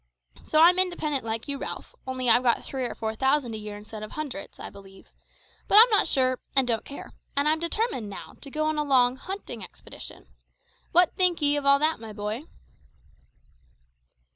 So I'm independent, like you, Ralph, only I've got three or four thousand a year instead of hundreds, I believe; but I'm not sure and don't care and I'm determined now to go on a long hunting expedition. What think ye of all that, my boy?"